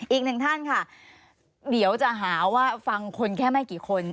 อีกหนึ่งท่านค่ะเดี๋ยวจะหาว่าฟังคนแค่ไม่กี่คน